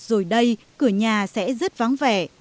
từ đây cửa nhà sẽ rất vắng vẻ